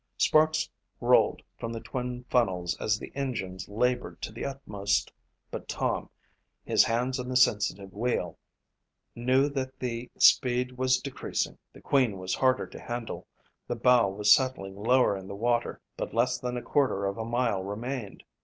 Sparks rolled from the twin funnels as the engines labored to the utmost but Tom, his hands on the sensitive wheel, knew that the speed was decreasing. The Queen was harder to handle, the bow was settling lower in the water but less than a quarter of a mile remained.